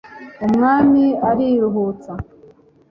umwami ariruhutsa